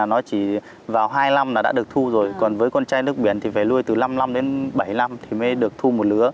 bảy năm thì mới được thu một lứa